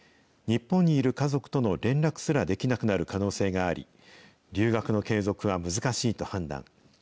日本にいる家族との連絡すらできなくなる可能性があり、留学の継続は難しいと判断。